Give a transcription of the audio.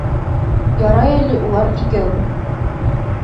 Ярай әле улар икәү.